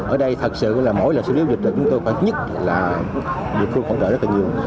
ở đây thật sự là mỗi lần xử lý dịch chúng tôi nhất là địa phương còn đợi rất là nhiều